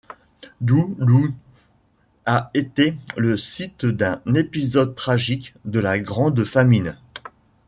Doo Lough a été le site d'un épisode tragique de la Grande Famine.